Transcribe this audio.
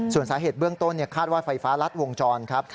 ส่วนสาเหตุเบื้องต้นคาดว่าไฟฟ้ารัดวงจรครับ